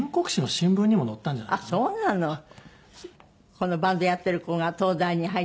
このバンドやってる子が東大に入ったって。